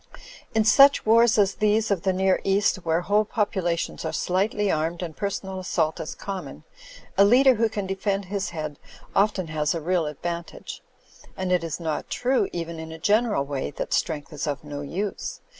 In such wars as these of the Near East, where whole populations are slightly armed and per sonal assault is common, a leader who can defend his head often has a real advantage; and it is not true, even in a general way, that strength is of no use.